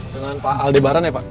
dengan pak aldebaran ya pak